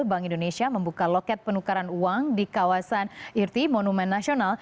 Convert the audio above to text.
bank indonesia membuka loket penukaran uang di kawasan irti monumen nasional